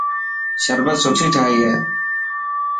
شربت سٺي ٺاهي هي.